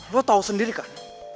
lo tau sendiri kan